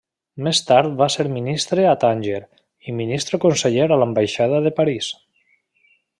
Més tard va ser ministre a Tànger, i ministre conseller a l'ambaixada de París.